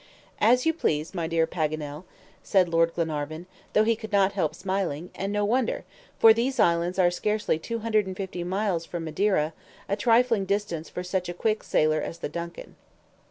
"As you please, my dear Paganel," said Lord Glenarvan, though he could not help smiling; and no wonder, for these islands are scarcely 250 miles from Madeira, a trifling distance for such a quick sailer as the DUNCAN.